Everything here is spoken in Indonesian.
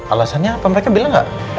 alasannya apa mereka bilang nggak